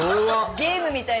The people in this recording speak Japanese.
ゲームみたいな。